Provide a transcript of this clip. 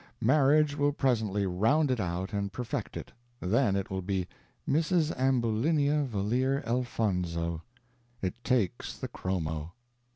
Marriage will presently round it out and perfect it. Then it will be Mrs. Ambulinia Valeer Elfonzo. It takes the chromo.